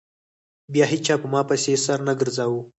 بيا هېچا په ما پسې سر نه گرځاوه.